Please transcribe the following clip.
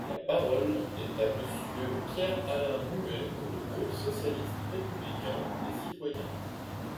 La parole est à Monsieur Pierre-Alain Muet, pour le groupe socialiste, républicain et citoyen.